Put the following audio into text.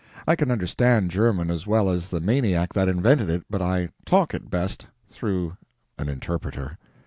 I can UNDERSTAND German as well as the maniac that invented it, but I TALK it best through an interpreter.